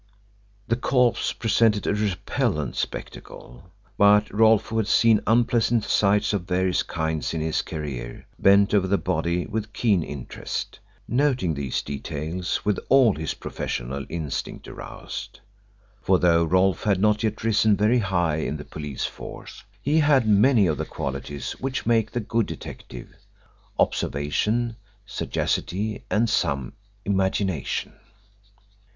The corpse presented a repellent spectacle, but Rolfe, who had seen unpleasant sights of various kinds in his career, bent over the body with keen interest, noting these details, with all his professional instincts aroused. For though Rolfe had not yet risen very high in the police force, he had many of the qualities which make the good detective observation, sagacity, and some imagination.